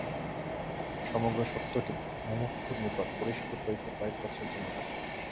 সমগ্র সত্যটি মুমুক্ষুর নিকট পরিস্ফুট হইতে কয়েক বৎসর যেন লাগে।